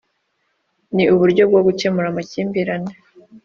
Ni Uburyo bwo gukemura amakimbirane